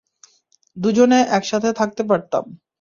দুজনে একসাথে থাকতে পারতাম।